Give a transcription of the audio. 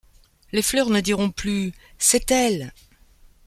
Les fleurs ne diront plus :— C’est elle !